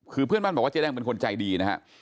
คือเพื่อนบ้านบอกว่าเจ๊แดงเป็นคนใจดีนะฮะ